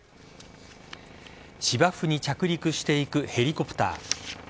芝生に着陸していくヘリコプター。